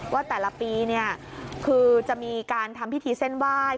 ว่าแต่ละปีเนี่ยคือจะมีการทำพิธีเส้นไหว้